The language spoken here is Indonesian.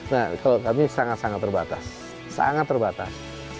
nah kalau kami sangat sangat terbatas sangat terbatas